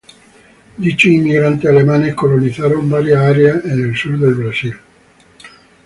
Dichos inmigrantes alemanes colonizaron varias áreas en el Sur de Brasil.